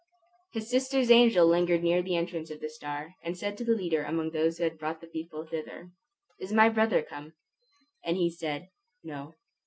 His sister's angel lingered near the entrance of the star, and said to the leader among those who had brought the people thither, "Is my brother come?" And he said, "No."